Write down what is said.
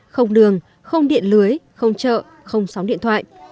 không đường không điện lưới không chợ không sóng điện thoại